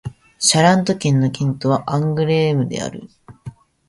シャラント県の県都はアングレームである